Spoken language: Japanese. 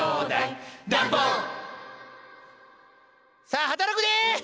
さあ働くで！